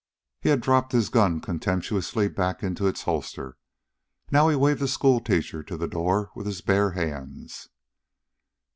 He had dropped his gun contemptuously back into its holster. Now he waved the schoolteacher to the door with his bare hands.